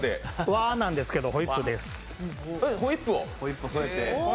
和なんですけどホイップです。